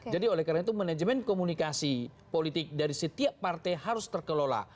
jadi oleh karena itu manajemen komunikasi politik dari setiap partai harus terkelola